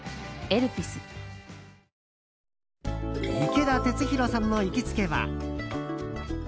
池田テツヒロさんの行きつけは。